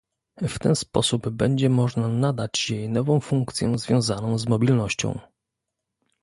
W ten sposób będzie można nadać jej nową funkcję związaną z mobilnością